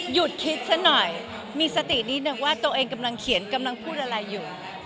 หยุดคิดซะหน่อยมีสตินิดนึงว่าตัวเองกำลังเขียนกำลังพูดอะไรอยู่